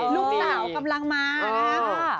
ลูกเหล่ากำลังมานะฮะ